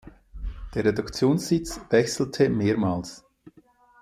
Der Redaktionssitz wechselte mehrmals.